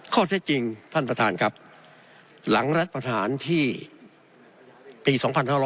ข้อเท็จจริงท่านประธานครับหลังรัฐประหารที่ปี๒๕๖๐